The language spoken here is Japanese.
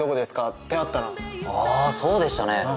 あぁそうでしたね。